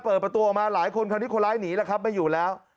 เปิดประตูออกมาหลายคนคราวนี้คนร้ายหนีแล้วครับไม่อยู่แล้ว